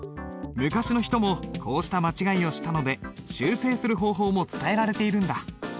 昔の人もこうした間違いをしたので修正する方法も伝えられているんだ。